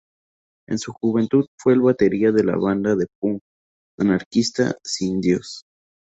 En su juventud fue el batería de la banda de punk anarquista Sin Dios.